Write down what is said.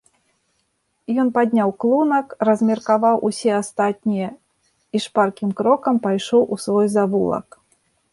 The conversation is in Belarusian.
Ён падняў клунак, размеркаваў усе астатнія і шпаркім крокам пайшоў у свой завулак.